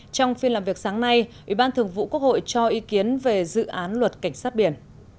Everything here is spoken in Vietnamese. trong phiên làm việc sáng nay ủy ban thường vụ quốc hội cho ý kiến về dự án luật cảnh sát biển